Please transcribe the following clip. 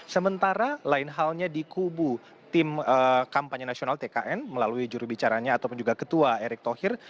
sementara lain halnya di kubu tim kampanye nasional tkn melalui jurubicaranya ataupun juga ketua erick thohir